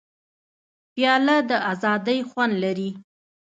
پیاله د ازادۍ خوند لري.